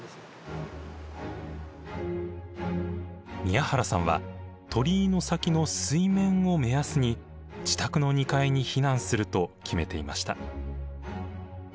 宮原さんは鳥居の先の水面を目安に自宅の２階に避難すると決めていました。